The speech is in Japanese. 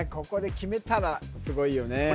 ここで決めたらすごいよね